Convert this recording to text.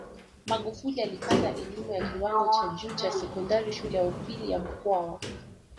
Magufuli alipata elimu ya kiwango cha juu cha sekondari Shule ya Upili ya Mkwawa